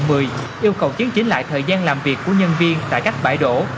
các quận một mươi yêu cầu chứng chính lại thời gian làm việc của nhân viên tại các bãi đổ